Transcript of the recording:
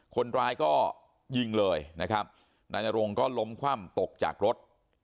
คนร้ายก็ยิงเลยนะครับนายนรงก็ล้มคว่ำตกจากรถ